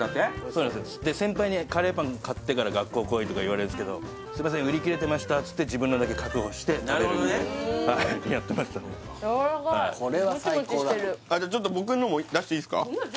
そうですで先輩にカレーパン買ってから学校来いとかいわれるんですけどすいません売り切れてましたっつって自分のだけ確保してなるほどねはいやってましたねやわらかいもちもちしてるこれは最高だあじゃあちょっと僕のも出していいですか？